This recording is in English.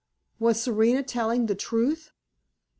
Was Serena telling the truth?